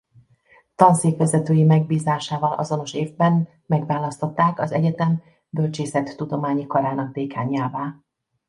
Tanszékvezetői megbízásával azonos évben megválasztották az egyetem Bölcsészettudományi Karának dékánjává.